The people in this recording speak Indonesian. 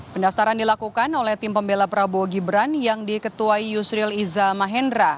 pendaftaran dilakukan oleh tim pembela prabowo gibran yang diketuai yusril iza mahendra